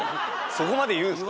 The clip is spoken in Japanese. そこまで言うんすか？